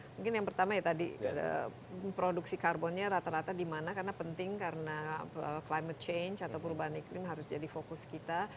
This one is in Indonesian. mungkin yang pertama ya tadi produksi karbonnya rata rata di mana karena penting karena climate change atau perubahan iklim harus jadi fokus kita